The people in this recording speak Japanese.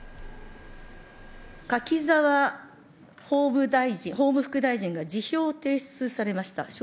柿沢法務副大臣が辞表を提出されました。